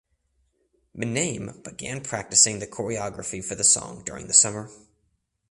Myname began practicing the choreography for the song during the summer.